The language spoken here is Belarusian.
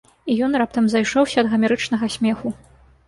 І ён раптам зайшоўся ад гамерычнага смеху.